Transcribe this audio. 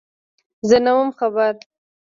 _زه نه وم خبر.